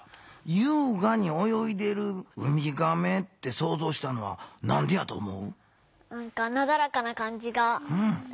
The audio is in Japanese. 「優雅におよいでるウミガメ」ってそうぞうしたのはなんでやと思う？